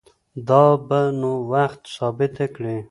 دا به نو وخت ثابته کړي